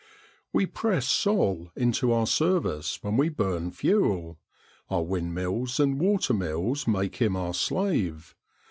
We press Sol into our service when we burn fuel; our wind mills and water mills make him our slave.